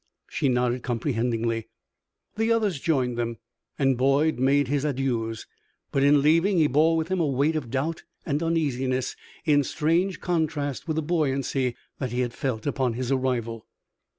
She nodded, comprehendingly. The others joined them, and Boyd made his adieus; but in leaving he bore with him a weight of doubt and uneasiness in strange contrast with the buoyancy he had felt upon his arrival.